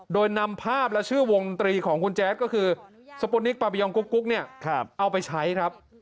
โดยนำภาพและชื่อวงตรีของคุณแจ๊ดก็คือสโปนิกปาบิยองกุ๊กเนี่ยเอาไปใช้ครับ